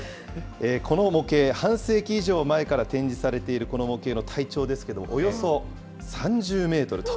この模型、半世紀以上前から展示されているこの模型の体長ですけれども、およそ３０メートルと。